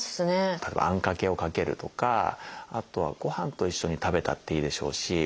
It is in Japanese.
例えばあんかけをかけるとかあとはご飯と一緒に食べたっていいでしょうし。